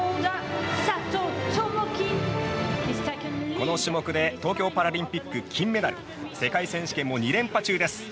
この種目で東京パラリンピック金メダル世界選手権も２連覇中です。